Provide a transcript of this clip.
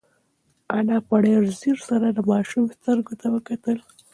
انا په ډېر ځير سره د ماشوم سترګو ته وکتل.